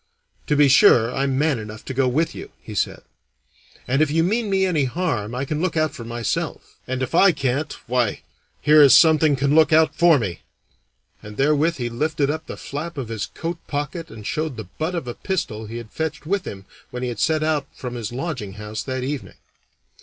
"To be sure I'm man enough to go with you," he said; "and if you mean me any harm I can look out for myself; and if I can't, why, here is something can look out for me," and therewith he lifted up the flap of his coat pocket and showed the butt of a pistol he had fetched with him when he had set out from his lodging house that evening.